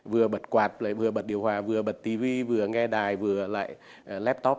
vừa bật quạt lại vừa bật điều hòa vừa bật tv vừa nghe đài vừa lại laptop